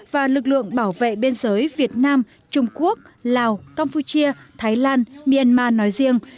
và lực lượng bảo vệ biên giới việt nam trung quốc lào campuchia thái lan myanmar nói riêng